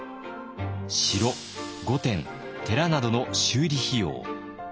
城・御殿・寺などの修理費用。